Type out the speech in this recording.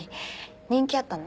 人気あったの？